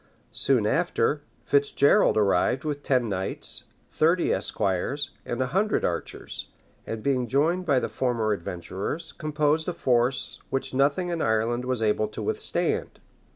Soon after, Fitz Gerald arrived with ten knights, thirty esquires, and a hundred archers; and being joined by the former adventurers, composed a force which nothing in Ireland was able to withstand.